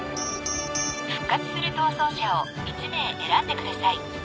復活する逃走者を１名選んでください。